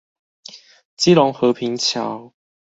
基隆和平橋